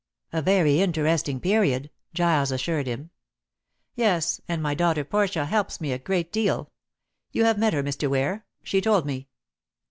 "A very interesting period," Giles assured him. "Yes; and my daughter Portia helps me a great deal. You have met her, Mr. Ware. She told me."